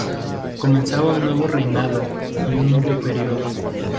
Comenzaba un nuevo reinado y un nuevo período.